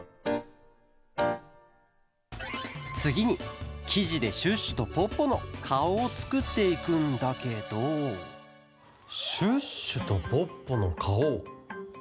つぎにきじでシュッシュとポッポのかおをつくっていくんだけどシュッシュとポッポのかお。